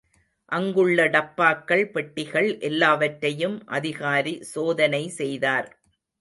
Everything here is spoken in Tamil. அங்குள்ள டப்பாக்கள், பெட்டிகள் எல்லாவற்றையும் அதிகாரி சோதனை செய்தார்.